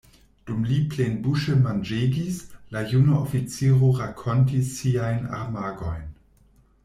Dum li plenbuŝe manĝegis, la juna oficiro rakontis siajn armagojn.